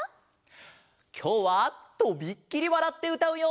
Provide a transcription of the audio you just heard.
きょうはとびっきりわらってうたうよ！